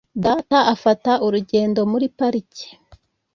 Data afata urugendo muri parike.